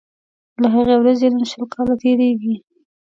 له هغې ورځي نن شل کاله تیریږي